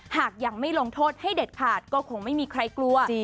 หากยังไม่ลงโทษให้เด็ดขาดก็คงไม่มีใครกลัว